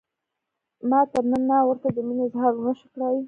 ما تر ننه ورته د مینې اظهار ونشو کړای.